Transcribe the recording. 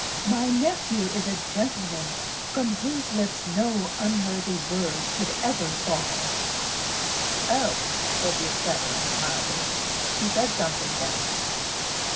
"My nephew is a gentleman from whose lips no unworthy word could ever fall.' "Oh!" said the et cetera, mildly. "He said something, then?"